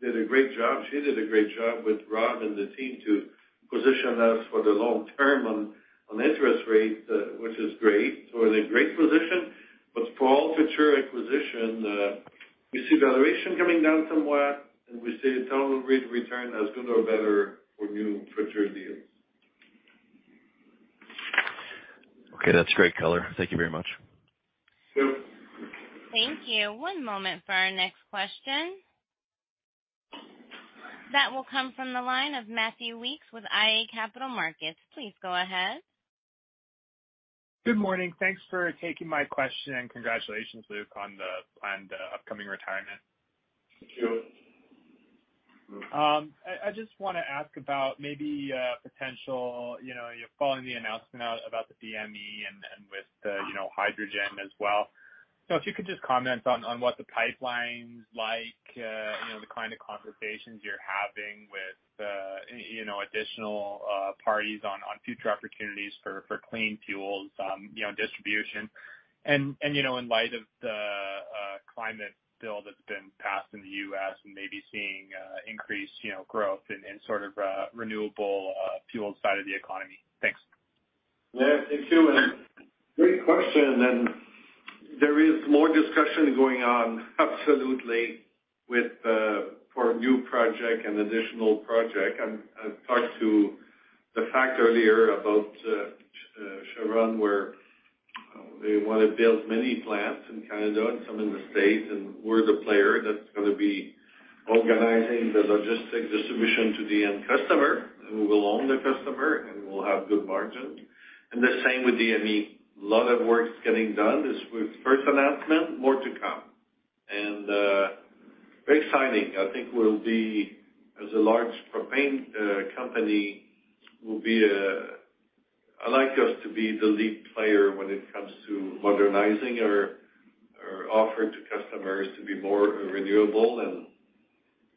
did a great job. She did a great job with Rob and the team to position us for the long term on interest rates, which is great. We're in a great position. For all future acquisition, we see valuation coming down somewhat, and we see total rate of return as good or better for new future deals. Okay. That's great color. Thank you very much. Sure. Thank you. One moment for our next question. That will come from the line of Matthew Weekes with iA Capital Markets. Please go ahead. Good morning. Thanks for taking my question, and congratulations, Luc, on the planned, upcoming retirement. Thank you. I just wanna ask about maybe potential, you know, following the announcement out about the DME and with the, you know, hydrogen as well. If you could just comment on what the pipeline's like, you know, the kind of conversations you're having with, you know, additional parties on future opportunities for clean fuels, you know, distribution. In light of the climate bill that's been passed in the U.S. and maybe seeing increased, you know, growth in sort of renewable fuels side of the economy. Thanks. Yeah, thank you. Great question. There is more discussion going on absolutely with for new project and additional project. I've talked to that effect earlier about Charbone, where they want to build many plants in Canada and some in the States, and we're the player that's gonna be organizing the logistics distribution to the end customer, who will own the customer, and we'll have good margins. The same with DME. A lot of work is getting done. This was first announcement, more to come. Very exciting. I think we'll be, as a large propane company, we'll be. I'd like us to be the lead player when it comes to modernizing our offer to customers to be more renewable, and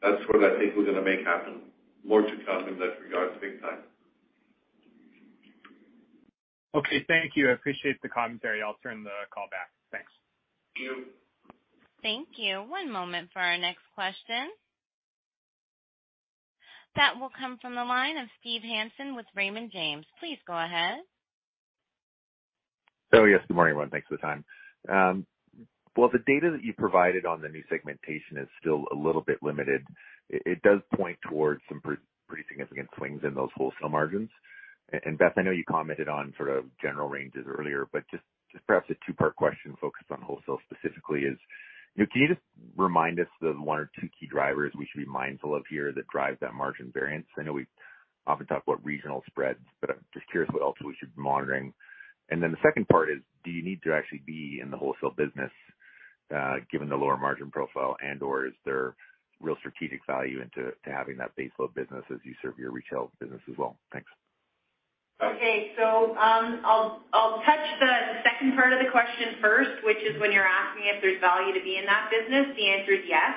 that's what I think we're gonna make happen. More to come in that regard. Big time. Okay, thank you. I appreciate the commentary. I'll turn the call back. Thanks. Thank you. Thank you. One moment for our next question. That will come from the line of Steven Hansen with Raymond James. Please go ahead. Oh, yes. Good morning, everyone. Thanks for the time. Well, the data that you provided on the new segmentation is still a little bit limited. It does point towards some pretty significant swings in those wholesale margins. And Beth, I know you commented on sort of general ranges earlier, but just perhaps a two-part question focused on wholesale specifically is, you know, can you just remind us the one or two key drivers we should be mindful of here that drive that margin variance? I know we often talk about regional spreads, but I'm just curious what else we should be monitoring. Then the second part is, do you need to actually be in the wholesale business, given the lower margin profile and/or is there real strategic value to having that base load business as you serve your retail business as well? Thanks. Okay. I'll touch the second part of the question first, which is when you're asking if there's value to be in that business, the answer is yes.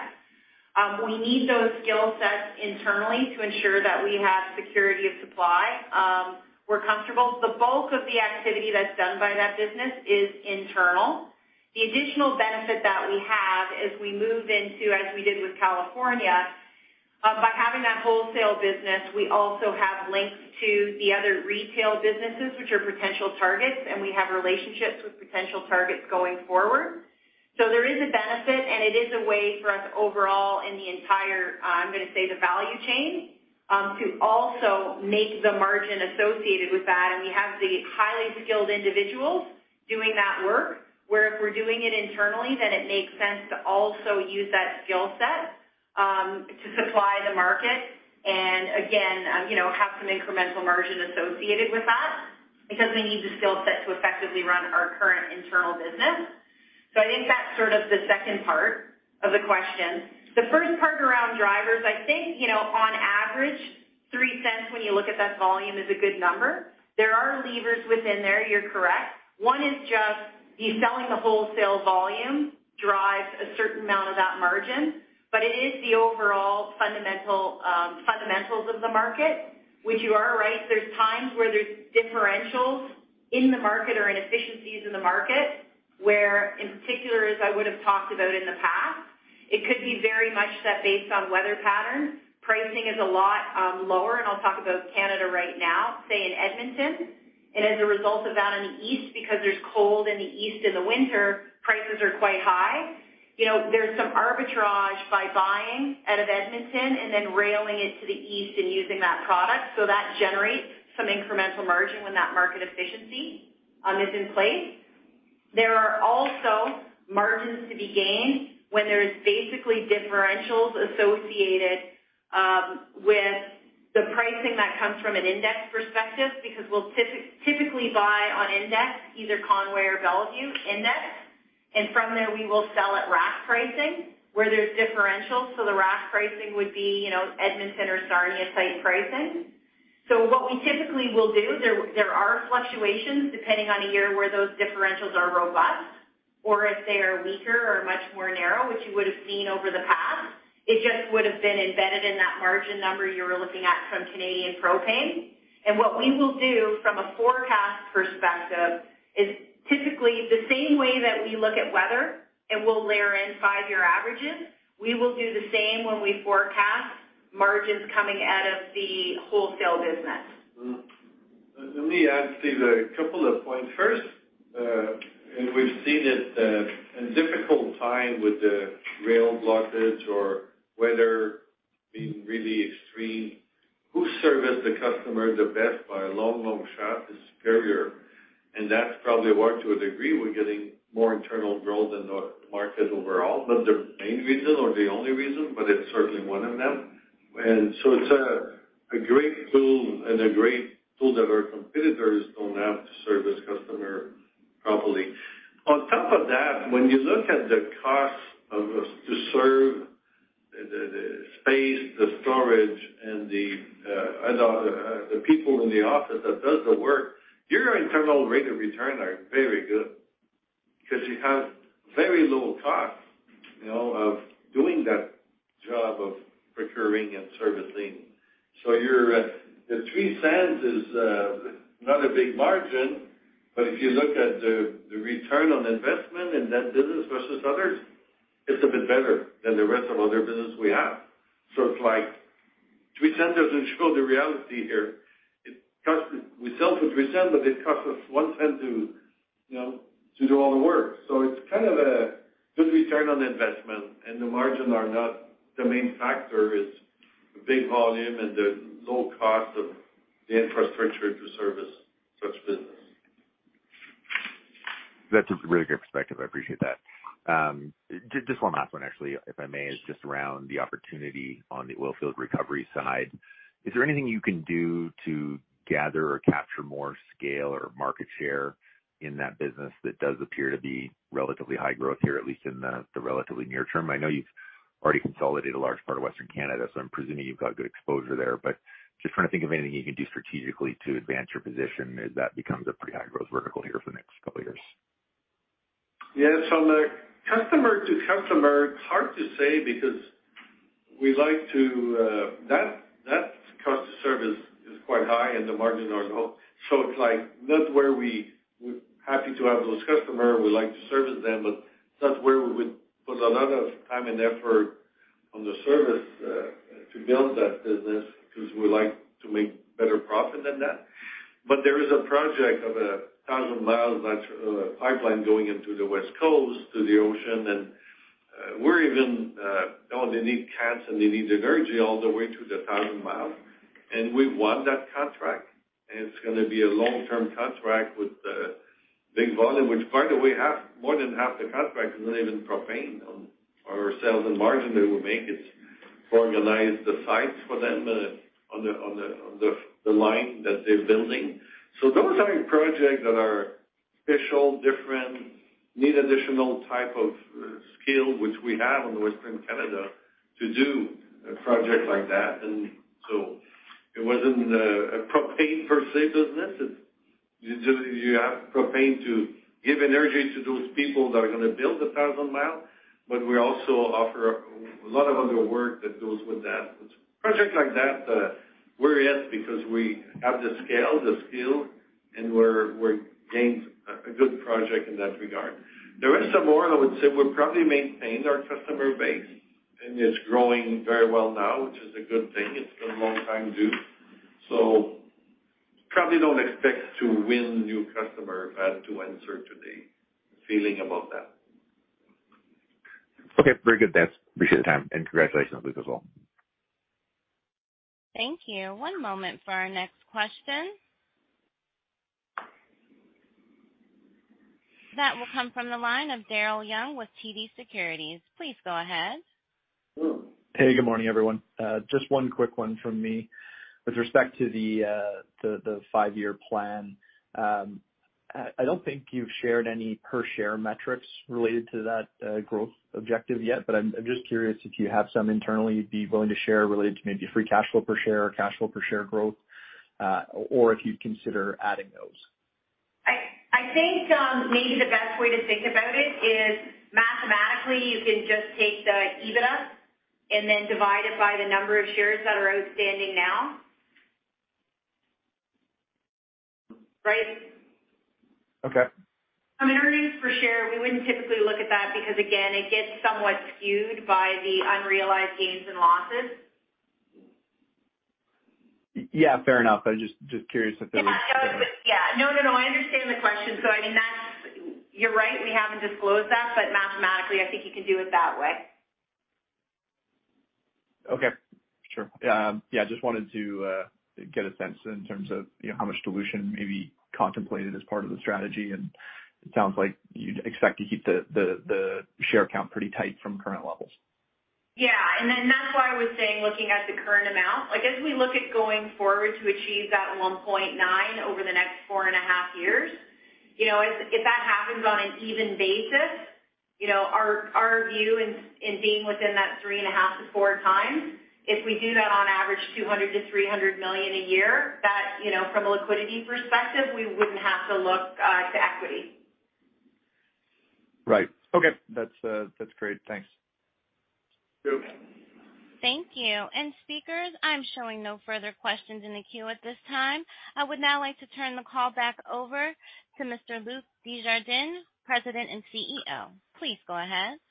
We need those skill sets internally to ensure that we have security of supply. We're comfortable. The bulk of the activity that's done by that business is internal. The additional benefit that we have as we move into, as we did with California, by having that wholesale business, we also have links to the other retail businesses which are potential targets, and we have relationships with potential targets going forward. There is a benefit, and it is a way for us overall in the entire, I'm gonna say, the value chain, to also make the margin associated with that. We have the highly skilled individuals doing that work, where if we're doing it internally, then it makes sense to also use that skill set, to supply the market and again, you know, have some incremental margin associated with that because we need the skill set to effectively run our current internal business. I think that's sort of the second part of the question. The first part around drivers, I think, you know, on average $0.03 when you look at that volume is a good number. There are levers within there, you're correct. One is just you selling the wholesale volume drives a certain amount of that margin, but it is the overall fundamental, fundamentals of the market, which you are right. There's times where there's differentials in the market or inefficiencies in the market, where in particular, as I would have talked about in the past, it could be very much that based on weather patterns, pricing is a lot lower, and I'll talk about Canada right now, say in Edmonton. As a result of that in the East, because there's cold in the East in the winter, prices are quite high. You know, there's some arbitrage by buying out of Edmonton and then railing it to the East and using that product. That generates some incremental margin when that market efficiency is in place. There are also margins to be gained when there's basically differentials associated with the pricing that comes from an index perspective because we'll typically buy on index, either Conway or Mont Belvieu Index. From there we will sell at rack pricing where there's differentials. The rack pricing would be, you know, Edmonton or Sarnia site pricing. What we typically will do, there are fluctuations depending on a year where those differentials are robust or if they are weaker or much more narrow, which you would have seen over the past. It just would have been embedded in that margin number you're looking at from Canadian propane. What we will do from a forecast perspective is typically the same way that we look at weather, and we'll layer in five-year averages. We will do the same when we forecast margins coming out of the wholesale business. Let me add, Steve, a couple of points. First, and we've seen it, in difficult time with the rail blockage or weather being really extreme, who service the customer the best by a long, long shot is Superior. That's probably why, to a degree, we're getting more internal growth than the market overall. Not the main reason or the only reason, but it's certainly one of them. It's a great tool and a great tool that our competitors don't have to service customer properly. On top of that, when you look at the cost of to serve the space, the storage and the people in the office that does the work, your internal rate of return are very good because you have very low cost, you know, of doing that job of procuring and servicing. The $0.03 is not a big margin, but if you look at the return on investment in that business versus others, it's a bit better than the rest of other business we have. It's like $0.03 doesn't show the reality here. It costs. We sell for $0.03, but it costs us $0.01 to, you know, to do that. Kind of a good return on investment and the margin are not the main factor. It's big volume and the low cost of the infrastructure to service such business. That's a really good perspective. I appreciate that. Just one last one actually, if I may, is just around the opportunity on the oilfield recovery side. Is there anything you can do to gather or capture more scale or market share in that business that does appear to be relatively high growth here, at least in the relatively near term? I know you've already consolidated a large part of Western Canada, so I'm presuming you've got good exposure there. Just trying to think of anything you can do strategically to advance your position as that becomes a pretty high growth vertical here for the next couple of years. Yes, on the customer to customer, it's hard to say because we like to. That cost to service is quite high and the margins are low. It's like not where we're happy to have those customers, we like to service them, but it's not where we would put a lot of time and effort on the service to build that business because we like to make better profits than that. There is a project of a 1,000-miles natural gas pipeline going into the West Coast to the ocean. We're even, they need gas and they need energy all the way to the 1,000-miles. We won that contract, and it's gonna be a long-term contract with big volume, which by the way, more than half the contract is not even propane on our sales and margin that we make. It's to organize the sites for them on the line that they're building. Those are projects that are special, different, need additional type of scale, which we have in Western Canada to do a project like that. It wasn't a propane per se business. It's you have propane to give energy to those people that are gonna build the 1,000-miles, but we also offer a lot of other work that goes with that. Projects like that, we're in because we have the scale, the skill, and we've gained a good project in that regard. There is some more I would say we'll probably maintain our customer base, and it's growing very well now, which is a good thing. It's been a long time due, so probably don't expect to win new customer as to answer to the feeling about that. Okay. Very good. Appreciate the time and congratulations, Luc, as well. Thank you. One moment for our next question. That will come from the line of Daryl Young with TD Securities. Please go ahead. Hey, good morning, everyone. Just one quick one from me. With respect to the five-year plan, I don't think you've shared any per share metrics related to that growth objective yet, but I'm just curious if you have some internally you'd be willing to share related to maybe free cash flow per share or cash flow per share growth, or if you'd consider adding those. I think maybe the best way to think about it is mathematically, you can just take the EBITDA and then divide it by the number of shares that are outstanding now. Right? Okay. Earnings per share, we wouldn't typically look at that because again, it gets somewhat skewed by the unrealized gains and losses. Yeah, fair enough. I was just curious if there was Yeah. No, no, I understand the question. I mean, that's. You're right, we haven't disclosed that, but mathematically, I think you can do it that way. Okay. Sure. Yeah, just wanted to get a sense in terms of, you know, how much dilution may be contemplated as part of the strategy, and it sounds like you'd expect to keep the share count pretty tight from current levels. Yeah. That's why I was saying looking at the current amount. Like, as we look at going forward to achieve that 1.9 over the next 4.5 years, you know, if that happens on an even basis, you know, our view in being within that 3.5x-4x, if we do that on average 200-300 million a year, that, you know, from a liquidity perspective, we wouldn't have to look to equity. Right. Okay. That's great. Thanks. Sure. Thank you. Speakers, I'm showing no further questions in the queue at this time. I would now like to turn the call back over to Mr. Luc Desjardins, President and CEO. Please go ahead.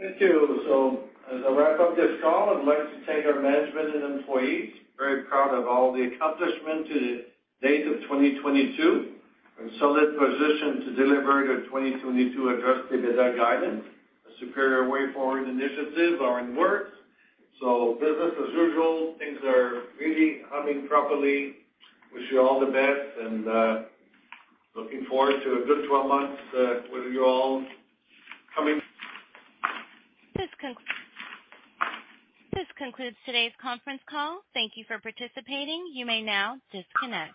Thank you. As I wrap up this call, I'd like to thank our management and employees. Very proud of all the accomplishment to date of 2022. We're in solid position to deliver the 2022 adjusted EBITDA guidance. A Superior Way Forward initiative are in the works. Business as usual. Things are really humming properly. Wish you all the best and, looking forward to a good 12 months, with you all coming. This concludes today's conference call. Thank you for participating. You may now disconnect.